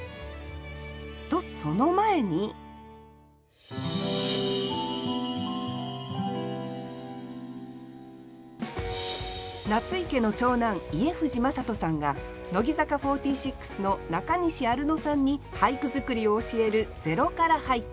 とその前に夏井家の長男家藤正人さんが乃木坂４６の中西アルノさんに俳句作りを教える「０から俳句」。